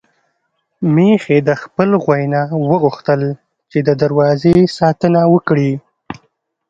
ميښې د خپل غويي نه وغوښتل چې د دروازې ساتنه وکړي.